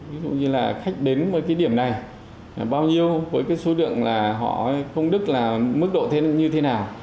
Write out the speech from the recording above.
ví dụ như là khách đến với cái điểm này bao nhiêu với cái số lượng là họ công đức là mức độ thế như thế nào